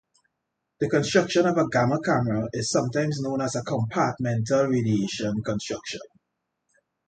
The construction of a gamma camera is sometimes known as a compartmental radiation construction.